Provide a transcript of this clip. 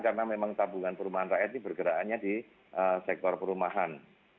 karena memang tabungan perumahan rakyat ini bergerakannya di sektor perumahan